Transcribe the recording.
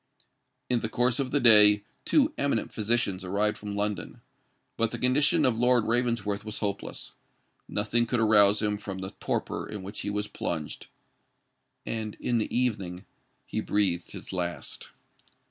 In the course of the day two eminent physicians arrived from London; but the condition of Lord Ravensworth was hopeless: nothing could arouse him from the torpor in which he was plunged; and in the evening he breathed his last.